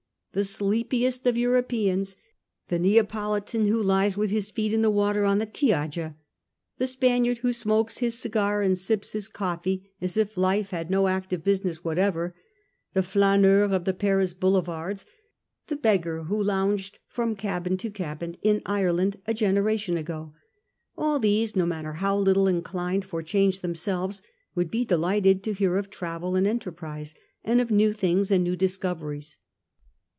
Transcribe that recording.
The sleepiest of Europeans — the Neapolitan who lies with his feet in the water on the Chiaja ; the Spaniard, who smokes his cigar and sips his coffee as if life had 168 A HISTORY OP OUR OWN TIMES. <®. vnfc no active "business whatever ; the fldneur of the Paris boulevards ; the beggar who lounged from cabin to cabin in Ireland a generation ago — all these, no matter how little inclined for change themselves, would he delighted to hear of travel and enterprise, and of new things and new discoveries.